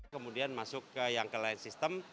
kemudian masuk ke yang ke lain sistem